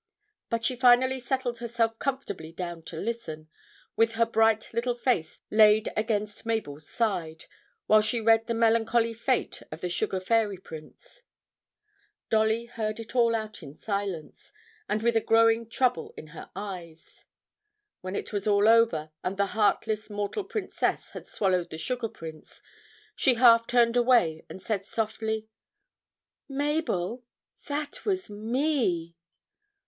But she finally settled herself comfortably down to listen, with her bright little face laid against Mabel's side, while she read the melancholy fate of the sugar fairy prince. Dolly heard it all out in silence, and with a growing trouble in her eyes. When it was all over, and the heartless mortal princess had swallowed the sugar prince, she turned half away and said softly, 'Mabel, that was me.'